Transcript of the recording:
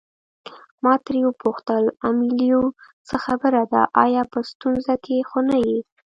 ما ترې وپوښتل امیلیو څه خبره ده آیا په ستونزه کې خو نه یې.